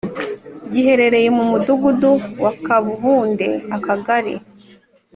Giherereye Mu Mudugudu Wa Kabuhunde Akagari